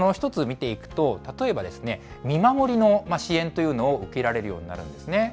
１つ見ていくと、例えば、見守りの支援というのを受けられるようになるんですね。